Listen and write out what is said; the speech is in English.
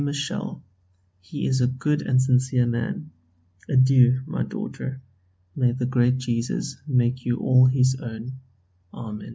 Michel; he is a good and sincere man. Adieu, my daughter. May the great Jesus make you all